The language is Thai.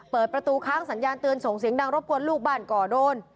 เปิดประตูค้างสัญญาณเตือนส่งเสียงดังรบกวนลูกบ้านก่อโดน